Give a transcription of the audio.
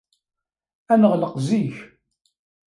Ad neɣleq zik.